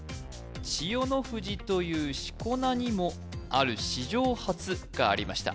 「千代の富士」という四股名にもある史上初がありました